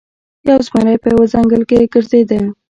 یو زمری په یوه ځنګل کې ګرځیده.